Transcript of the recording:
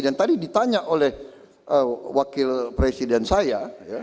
dan tadi ditanya oleh wakil presiden saya